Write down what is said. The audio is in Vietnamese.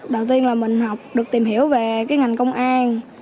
đầu tiên là mình học được tìm hiểu về cái ngành công an